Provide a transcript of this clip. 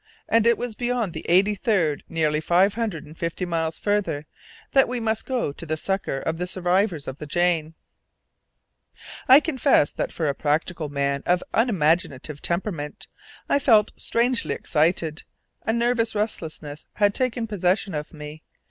And it was beyond the eighty third, nearly five hundred and fifty miles farther, that we must go to the succour of the survivors of the Jane! I confess that for a practical man of unimaginative temperament, I felt strangely excited; a nervous restlessness had taken possession of me.